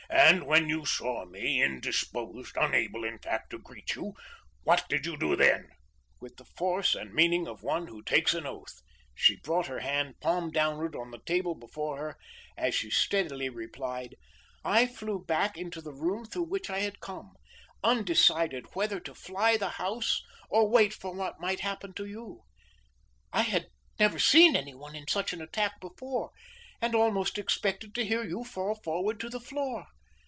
"And when you saw me indisposed unable, in fact, to greet you what did you do then?" With the force and meaning of one who takes an oath, she brought her hand, palm downward on the table before her, as she steadily replied: "I flew back into the room through which I had come, undecided whether to fly the house or wait for what might happen to you, I had never seen any one in such an attack before, and almost expected to hear you fall forward to the floor.